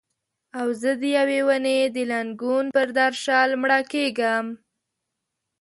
او زه د یوې ونې د لنګون پر درشل مړه کیږم